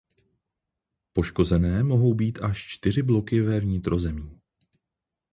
Poškozené mohou být až čtyři bloky ve vnitrozemí.